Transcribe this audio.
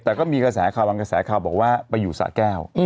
แต่ก็มีกระแสขาวบอกว่าไปอยู่สระแก้ว